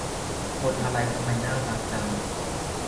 คนอะไรทำไมน่ารักจัง